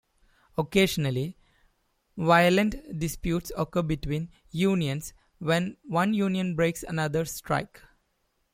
Occasionally, violent disputes occur between unions, when one union breaks another's strike.